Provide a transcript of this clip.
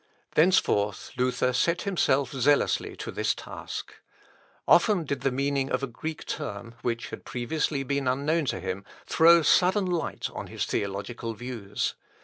Thenceforth Luther set himself zealously to this task. Often did the meaning of a Greek term, which had previously been unknown to him, throw sudden light on his theological views.